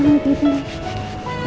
aku ingatnya juga